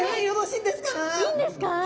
いいんですか？